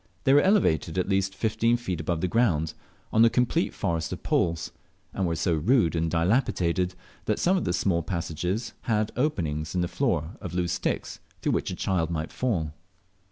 They were elevated at least fifteen feet above the ground, on a complete forest of poles, and were so rude and dilapidated that some of the small passages had openings in the floor of loose sticks, through which a child might fall.